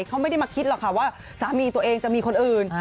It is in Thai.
เขาไม่ได้มาคิดหรอกค่ะว่าสามีตัวเองจะมีคนอื่น